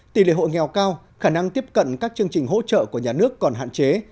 tỷ lệ hộ nghèo cao khả năng tiếp cận các chương trình hỗ trợ của nhà nước còn hạn chế